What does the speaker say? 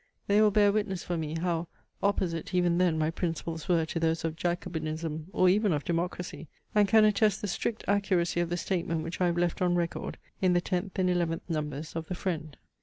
They will bear witness for me how opposite even then my principles were to those of Jacobinism or even of democracy, and can attest the strict accuracy of the statement which I have left on record in the tenth and eleventh numbers of THE FRIEND.